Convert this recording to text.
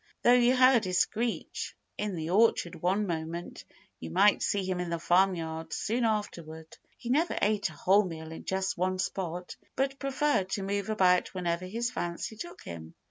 Though you heard his screech in the orchard one moment, you might see him in the farmyard soon afterward. He never ate a whole meal in just one spot, but preferred to move about wherever his fancy took him.